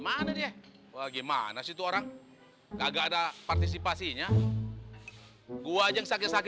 mana dia bagaimana situ orang kagak ada partisipasinya gua aja sakit sakit